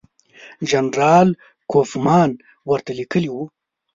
جنرال کوفمان ورته لیکلي وو.